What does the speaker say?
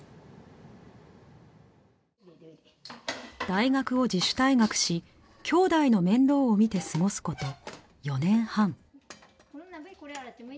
大学を自主退学しきょうだいの面倒を見て過ごすこと４年半。